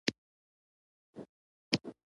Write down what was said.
دا بدلون د پیاوړتیا له پروسې پرته ترسره شو.